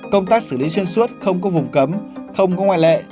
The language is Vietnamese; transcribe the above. công tác xử lý xuyên suốt không có vùng cấm không có ngoại lệ